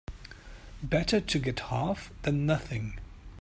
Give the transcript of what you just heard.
Better to get half than nothing.